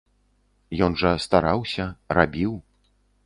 Ён жа стараўся, рабіў.